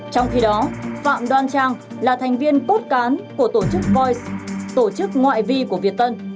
trong khi đó phạm đoan trang là thành viên cốt cán của tổ chức voice tổ chức ngoại vi của việt tân